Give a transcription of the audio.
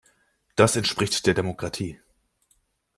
Das entspricht der Demokratie!